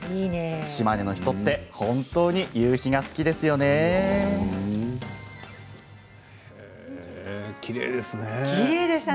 島根の人って本当に夕日が好きですよね。